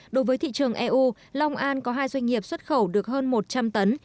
đối với thị trường eu long an có hai doanh nghiệp xuất khẩu được hơn một trăm linh tấn